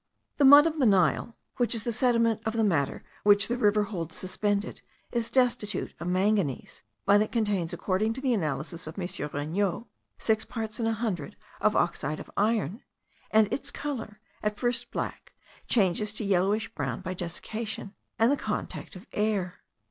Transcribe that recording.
The mud of the Nile, which is the sediment of the matters which the river holds suspended, is destitute of manganese; but it contains, according to the analysis of M. Regnault, six parts in a hundred of oxide of iron; and its colour, at first black, changes to yellowish brown by desiccation and the contact of air.